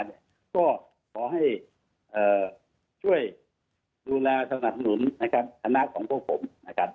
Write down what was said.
ก็ขอให้ช่วยดูแลสนับหนุนนะครับธนาคตของพวกผม